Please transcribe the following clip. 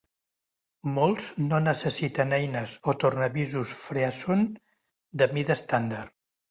Molts no necessiten eines o tornavisos Frearson de mida estàndard.